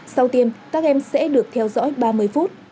sau tiêm các em sẽ được theo dõi ba mươi phút